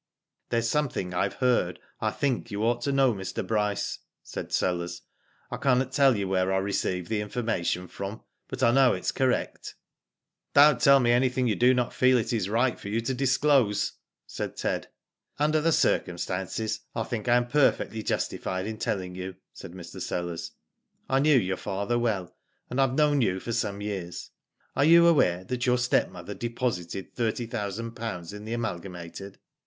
There's something Fve heard I think you ought to know Mr. Bryce/' said Sellers. " I cannot tell you where I received the information from, but I know it is correct." ^* Don't tell me anything you do not feel it is right for you to disclose," said Ted. Under the circumstances, I think I am perfectly justified in telling you," said Mr. Sellers. I knew your father well, and I have known you for some years. Are you aware that your stepmother deposited thirty thousand pounds in the Amal gamated ?